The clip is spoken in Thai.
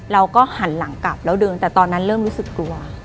เราก็หันหลังกลับแล้วเดินแต่ตอนนั้นเริ่มรู้สึกกลัว